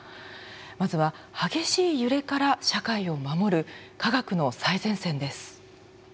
まずは激しい揺れから社会を守る科学の最前線です。